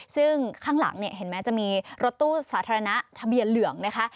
ซึ่งข้างหลังเนี่ยเห็นไหมจะมีรถตู้สาธารณะทะเบียนเหลืองนะคะ